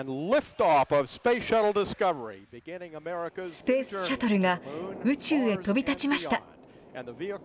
スペースシャトルが宇宙へ飛び立ちました。